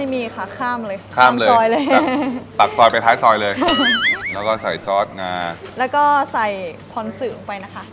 ไม่มีค่ะข้ามเลยข้ามเลยซอยเลยตักซอยไปท้ายซอยเลยแล้วก็ใส่ซอสงาแล้วก็ใส่คอนเสิร์ตลงไปนะคะ